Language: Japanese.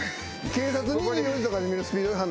『警察２４時』とかで見るスピード違反のやつや。